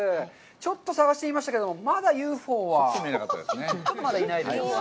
ちょっと捜してみましたけど、まだＵＦＯのほうは。